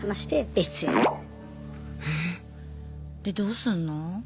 でどうすんの？